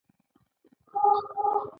په دې کې د اومو موادو ارزښت هم شامل دی